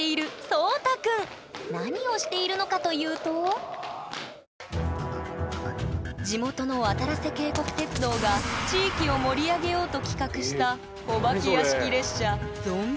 何をしているのかというと地元のわたらせ渓谷鐵道が地域を盛り上げようと企画したお化け屋敷列車